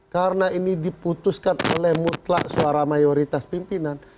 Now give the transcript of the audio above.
karena ini diputuskan oleh mutlak suara mayoritas pimpinan